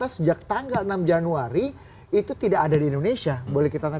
ada yang lihat partai melindungi di mana